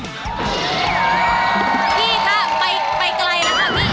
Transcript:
พี่คะไปไกลแล้วค่ะพี่